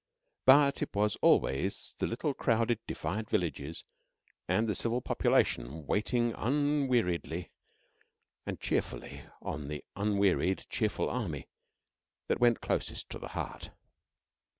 But it was always the little crowded, defiant villages, and the civil population waiting unweariedly and cheerfully on the unwearied, cheerful army, that went closest to the heart.